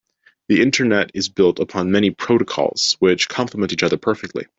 The internet is built upon many protocols which compliment each other perfectly.